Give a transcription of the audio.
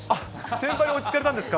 先輩で落ち着かれたんですか。